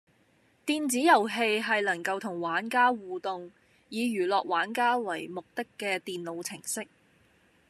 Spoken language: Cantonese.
電子遊戲係能夠同玩家互動、以娛樂玩家為目的嘅電腦程式